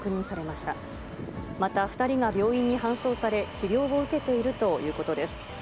また、２人が病院に搬送され、治療を受けているということです。